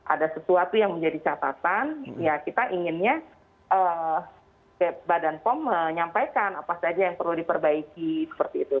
ada sesuatu yang menjadi catatan ya kita inginnya badan pom menyampaikan apa saja yang perlu diperbaiki seperti itu